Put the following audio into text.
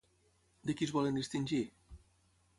De qui es volen distingir?